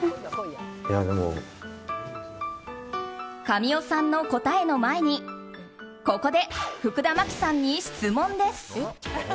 神尾さんの答えの前にここで、福田麻貴さんに質問です。